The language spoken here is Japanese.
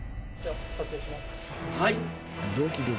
はい。